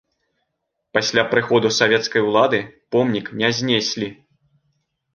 Пасля прыходу савецкай улады помнік не знеслі.